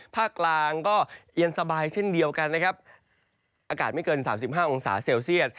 ภาคกลางก็เย็นสบายเช่นเดียวกันนะครับอากาศไม่เกิน๓๕องศาเซลเซียต